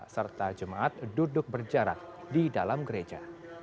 serta jemaat duduk berjarak di dalam gereja